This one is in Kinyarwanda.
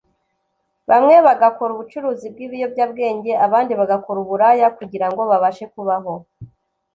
bamwe bagakora ubucuruzi bw’ibiyobyabwenge abandi bagakora uburaya kugira ngo babashe kubaho